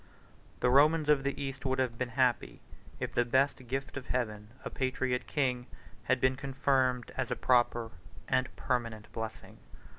The Romans of the East would have been happy, if the best gift of Heaven, a patriot king, had been confirmed as a proper and permanent blessing.